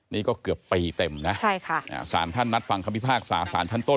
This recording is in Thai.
นี่ก็เกือบปีเต็มนะใช่ค่ะอ่าสารท่านนัดฟังคำพิพากษาสารชั้นต้น